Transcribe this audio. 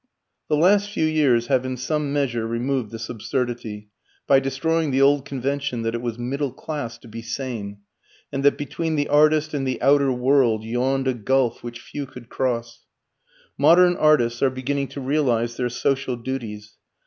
The last few years have in some measure removed this absurdity, by destroying the old convention that it was middle class to be sane, and that between the artist and the outer world yawned a gulf which few could cross. Modern artists are beginning to realize their social duties.